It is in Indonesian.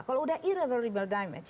kalau udah irreversible damage